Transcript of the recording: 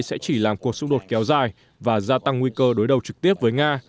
sẽ chỉ làm cuộc xung đột kéo dài và gia tăng nguy cơ đối đầu trực tiếp với nga